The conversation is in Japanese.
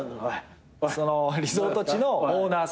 リゾート地のオーナーさんとか。